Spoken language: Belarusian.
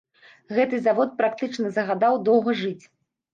Гэты завод практычна загадаў доўга жыць.